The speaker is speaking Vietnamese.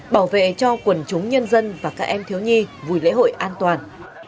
bảo vệ cho quần chúng nhân dân và các em thiếu nhi vui lễ hội an toàn